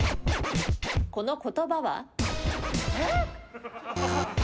この言葉は？